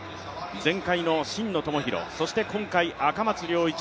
前回の真野友博、そして今回、赤松諒一。